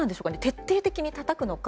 徹底的にたたくのか。